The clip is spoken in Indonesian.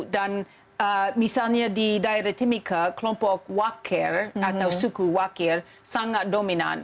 dan misalnya di daerah timika kelompok wakir atau suku wakir sangat dominan